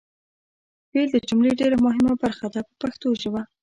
فعل د جملې ډېره مهمه برخه ده په پښتو ژبه.